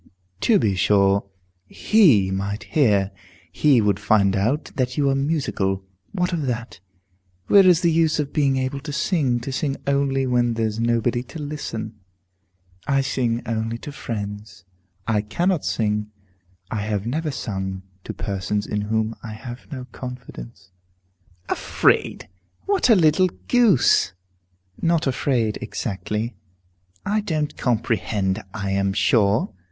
"To be sure, he might hear. He would find out that you are musical. What of that? Where is the use of being able to sing, to sing only when there's nobody to listen?" "I sing only to friends. I cannot sing, I have never sung, to persons in whom I have no confidence." "Afraid! What a little goose!" "Not afraid, exactly." "I don't comprehend, I am sure."